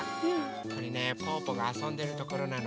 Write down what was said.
これねぽぅぽがあそんでるところなの。